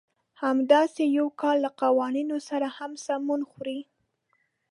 همداسې يو کار له قوانينو سره هم سمون خوري.